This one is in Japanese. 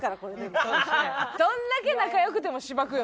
どんだけ仲良くてもシバくよね。